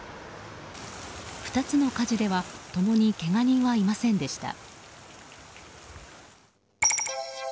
２つの火事では、共にけが人はいませんでした。